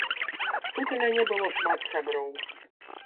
Тут у мяне было шмат сяброў.